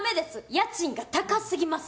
家賃が高すぎます。